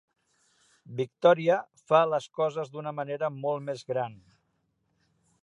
Victoria fa les coses d'una manera molt més gran.